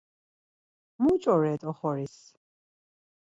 Muç̌o ret oxoris?